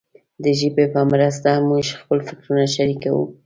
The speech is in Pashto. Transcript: د ژبې په مرسته موږ خپل فکرونه شریکوو.